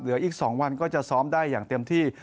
เหลืออีก๒วันก็จะซ้อมได้อย่างเต็มที่